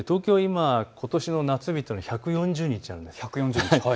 東京、ことしの夏日は１４０日あるんです。